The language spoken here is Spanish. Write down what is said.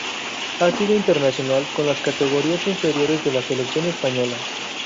Ha sido internacional con las categorías inferiores de la Selección española.